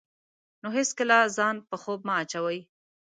نو هېڅکله ځان په خوب مه اچوئ.